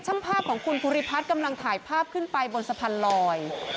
ภาพของคุณภูริพัฒน์กำลังถ่ายภาพขึ้นไปบนสะพานลอย